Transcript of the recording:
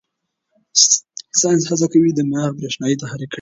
ساینس هڅه کوي دماغ برېښنايي تحریک کړي.